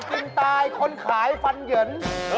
พิภัยยาเสพติด